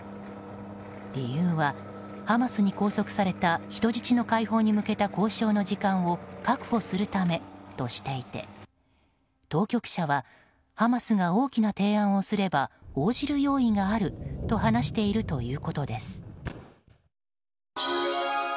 理由は、ハマスに拘束された人質の解放に向けた交渉の時間を確保するためとしていて当局者はハマスが大きな提案をすれば応じる用意があると話しているということです。